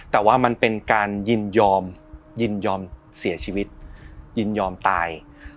แต่ว่ามันเป็นการยินยอมยินยอมเสียชีวิตยินยอมตาย